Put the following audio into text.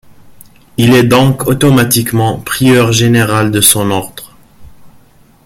Il est donc automatiquement prieur général de son ordre.